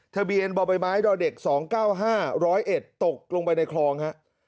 ทะเบีเอ็นบ่อใบไม้ด่อเด็ก๒๙๕ร้อยเอ็ดตกลงไปในคลองครับ